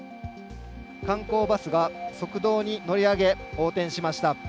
観光バスが側道に乗り上げ、横転しました。